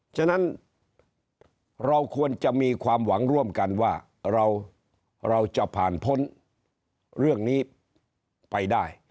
ฉะนั้นเราควรจะมีความหวังร่วมกันว่าเราจะผ่านพ้นเรื่องนี้ไปได้